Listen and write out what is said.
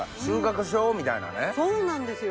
そうなんですよ。